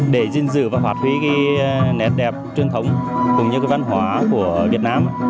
để duyên dự và phạt huy nét đẹp truyền thống cũng như văn hóa của việt nam